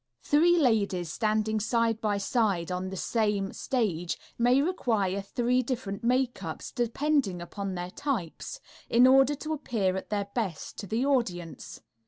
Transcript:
Three ladies standing side by side on the same stage may require three different makeups, depending upon their types, in order to appear at their best to the audience.